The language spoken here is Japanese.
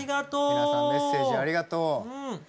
皆さんメッセージ、ありがとう！